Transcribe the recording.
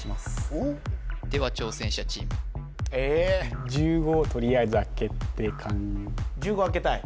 ・おっでは挑戦者チームえっ１５とりあえず開けて１５開けたい？